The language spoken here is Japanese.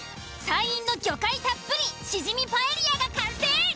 山陰の魚介たっぷりシジミパエリアが完成。